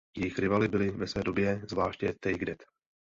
Jejich rivaly byly ve své době zvláště Take That.